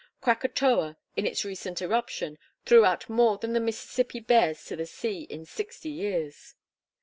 Krakatoa, in its recent eruption, threw out more than the Mississippi bears to the sea in sixty years.